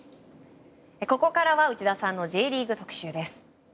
ここからは内田さんのＪリーグ特集です。